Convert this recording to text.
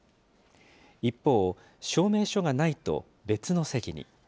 一方、証明書がないと別の席に。